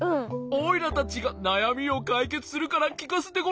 おいらたちがなやみをかいけつするからきかせてごらん。